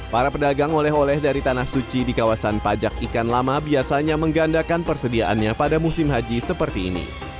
para pedagang oleh oleh dari tanah suci di kawasan pajak ikan lama biasanya menggandakan persediaannya pada musim haji seperti ini